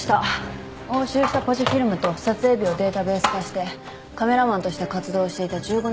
押収したポジフィルムと撮影日をデータベース化してカメラマンとして活動していた１５年分のデータを分析しています。